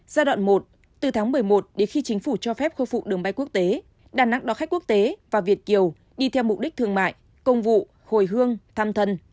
giai đoạn một từ tháng một mươi một đến khi chính phủ cho phép khôi phục đường bay quốc tế đà nẵng đón khách quốc tế và việt kiều đi theo mục đích thương mại công vụ hồi hương thăm thân